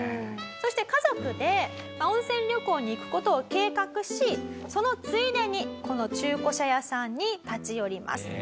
そして家族で温泉旅行に行く事を計画しそのついでにこの中古車屋さんに立ち寄ります。